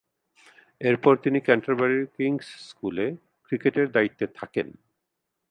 এরপর তিনি ক্যান্টারবারির কিংস স্কুলে ক্রিকেটের দায়িত্বে থাকেন।